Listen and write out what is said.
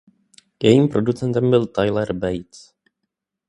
Jejím producentem byl Tyler Bates.